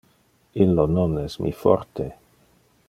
Illo non es mi forte.